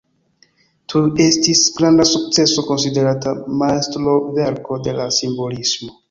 Tuj estis granda sukceso, konsiderata majstroverko de la simbolismo.